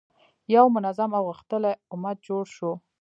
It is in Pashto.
یو منظم او غښتلی امت جوړ شو.